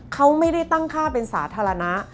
เขาไม่ได้ตั้งค่าเป็นสาธารณะ